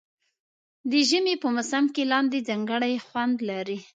د ژمي په موسم کې لاندی ځانګړی خوند لري.